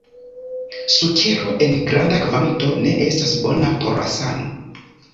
Sukero en granda kvanto ne estas bona por la sano.